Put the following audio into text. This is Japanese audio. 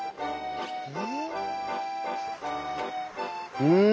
うん。